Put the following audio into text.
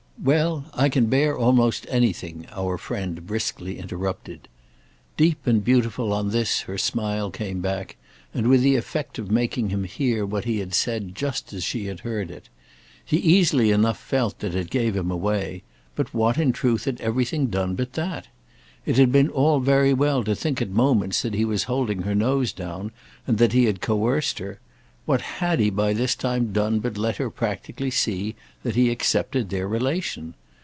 "Well, I can bear almost anything!" our friend briskly interrupted. Deep and beautiful on this her smile came back, and with the effect of making him hear what he had said just as she had heard it. He easily enough felt that it gave him away, but what in truth had everything done but that? It had been all very well to think at moments that he was holding her nose down and that he had coerced her: what had he by this time done but let her practically see that he accepted their relation?